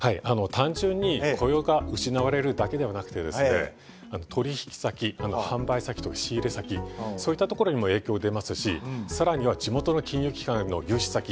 単純に雇用が失われるだけではなくてですね取引先販売先とか仕入れ先そういったところにも影響出ますし更には地元の金融機関への融資先。